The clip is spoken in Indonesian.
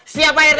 siap pak rt